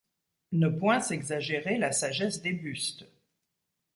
Ne point s'exagérer la sagesse des bustes